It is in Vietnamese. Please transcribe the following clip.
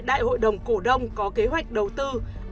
đại hội đồng cổ đông có kế hoạch đầu tư